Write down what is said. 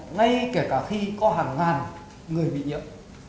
ngay kể cả khi có hàng ngàn người bị nhiễm